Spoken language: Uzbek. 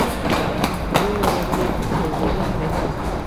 Bu yorug‘lik tezligi ham emas.